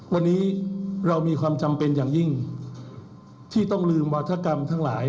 วันนี้เรามีความจำเป็นอย่างยิ่งที่ต้องลืมวาธกรรมทั้งหลาย